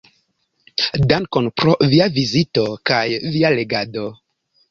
Dankon pro via vizito kaj via legado.